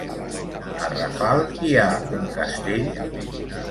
A Rafal hi ha un castell?